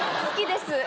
好きです。